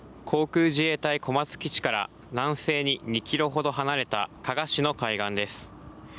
航空自衛隊小松基地から南西に２キロほど離れた加賀市の海岸です。